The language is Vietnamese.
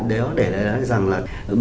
để nói rằng là